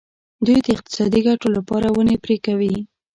دوی د اقتصادي ګټو لپاره ونې پرې کوي.